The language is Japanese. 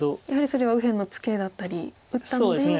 やはりそれは右辺のツケだったり打ったので。